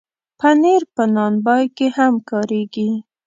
پنېر په نان بای کې هم کارېږي.